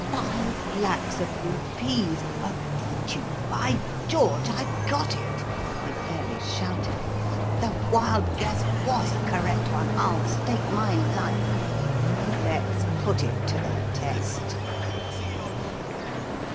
"Five lacs of rupees a fortune! By George, I've got it!" he fairly shouted. "The wild guess was a correct one, I'll stake my life. Let's put it to the test."